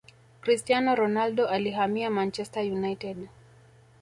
cristiano ronaldo alihamia manchester united